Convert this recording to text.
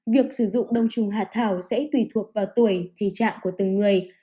việc sử dụng đông trùng hạn thảo sẽ tùy thuộc vào tuổi thị trạng của từng người